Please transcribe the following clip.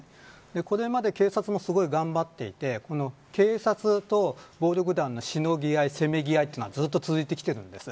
これまで警察もすごい頑張っていて警察と暴力団のしのぎ合いせめぎ合いというのはずっと続いてきているんです。